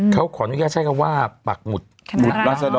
เขาขออนุญาตใช่ไหมว่าปักหมุด